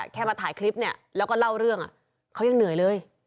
แค่มาถ่ายคลิปเนี่ยแล้วก็เล่าเรื่องเขายังเหนื่อยเลย